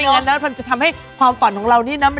กลัวภรรยา